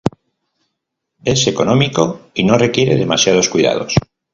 Es económico y no requiere demasiados cuidados.